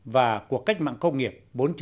và cuộc cách mạng công nghiệp bốn